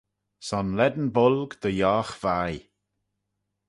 Son lane bolg dy yough vie.